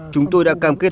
chúng tôi đã cam kết